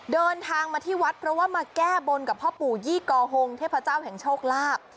เดินทางมาที่วัดเพราะว่ามาแก้บนกับพ่อปู่ยี่กอฮงเทพเจ้าแห่งโชคลาภ